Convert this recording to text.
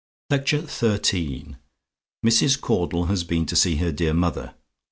LECTURE XIII MRS. CAUDLE HAS BEEN TO SEE HER DEAR MOTHER.